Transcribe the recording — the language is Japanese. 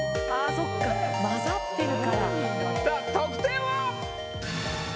そっかまざってるからさあ得点は？